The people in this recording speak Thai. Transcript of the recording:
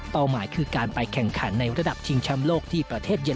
เป้าหมายคือการไปแข่งขันในระดับยิงชำโลกที่ประเทศเยอรมัน